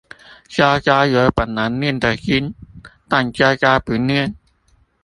家家有本難念的經，但家家不念